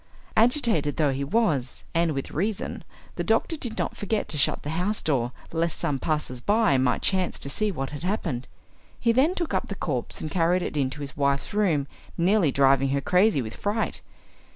Agitated though he was, and with reason, the doctor did not forget to shut the house door, lest some passers by might chance to see what had happened. He then took up the corpse and carried it into his wife's room, nearly driving her crazy with fright.